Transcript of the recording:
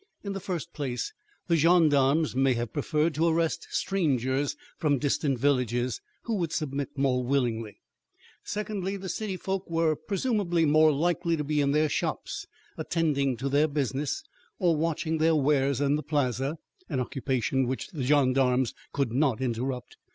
In the first place, the gendarmes may have preferred to arrest strangers from distant villages, who would submit more willingly. Secondly, the city folk were presumably more likely to be in their shops attending to their business or watching their wares in the plaza, an occupation which the gendarmes could not interrupt.